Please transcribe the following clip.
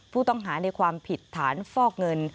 ผู้ต้องหาในความผิดฐานฟอกเงิน